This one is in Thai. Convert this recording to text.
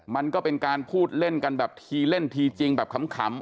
มันก็เป็นการพูดเล่นกันแบบทีเล่นทีจริงแบบขำ